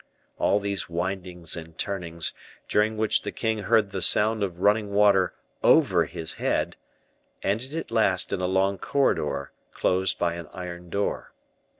All these windings and turnings, during which the king heard the sound of running water over his head, ended at last in a long corridor closed by an iron door.